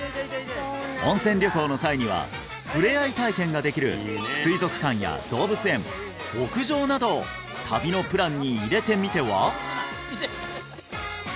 温泉旅行の際には触れ合い体験ができる水族館や動物園牧場などを旅のプランに入れてみては？